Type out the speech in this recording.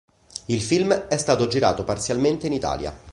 Il film è stato girato parzialmente in Italia.